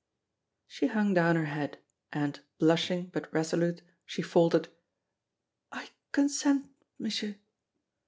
'" She hung down her head, and, blushing, but resolute, she faltered: "I consent, Monsieur."